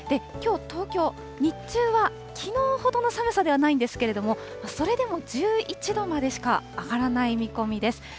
きょう東京、日中はきのうほどの寒さではないんですけれども、それでも１１度までしか上がらない見込みです。